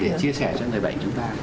để chia sẻ cho người bệnh chúng ta